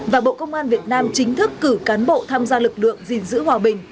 và bộ công an việt nam chính thức cử cán bộ tham gia lực lượng gìn giữ hòa bình